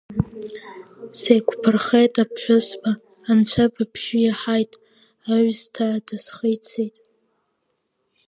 Сеиқәбырхеит, аԥҳәызба, анцәа быбжьы иаҳаит, аҩысҭаа дысхицеит.